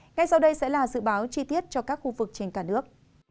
ngay sau đây sẽ là dự báo chi tiết cho các khu vực trên cả nước